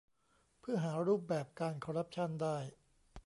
เพื่อหารูปแบบการคอรัปชั่นได้